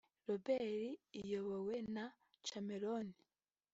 Label iyobowe na Chameleone